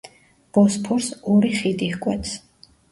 ბოსფორს ორი ხიდი ჰკვეთს.